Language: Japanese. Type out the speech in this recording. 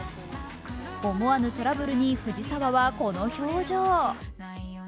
思わぬトラブルに藤澤はこの表情。